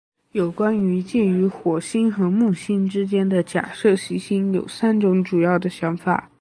有关于介于火星和木星之间的假设行星有三种主要的想法。